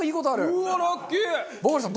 うわっラッキー！